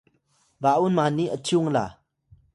ba’un mani ’cyung la